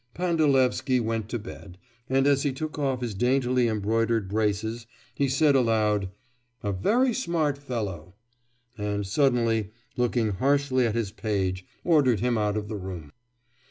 Pandalevsky went to bed, and as he took off his daintily embroidered braces, he said aloud 'A very smart fellow!' and suddenly, looking harshly at his page, ordered him out of the room.